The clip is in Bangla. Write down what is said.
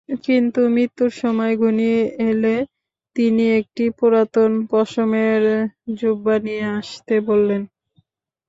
কিন্তু মৃত্যুর সময় ঘনিয়ে এলে তিনি একটি পুরাতন পশমের জুব্বা নিয়ে আসতে বললেন।